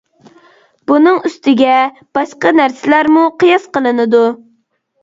بۇنىڭ ئۈستىگە باشقا نەرسىلەرمۇ قىياس قىلىنىدۇ.